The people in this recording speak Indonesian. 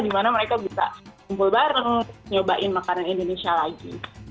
dimana mereka bisa kumpul bareng nyobain makanan indonesia lagi